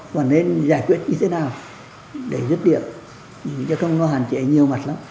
còn nên giải quyết như thế nào để dứt điệu